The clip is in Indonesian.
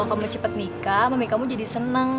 kalo kamu cepet nikah mami kamu jadi seneng